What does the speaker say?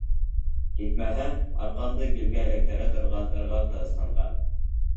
Етмәһә, арҡанды билгә эләктерә торған ырғаҡ та ысҡынған.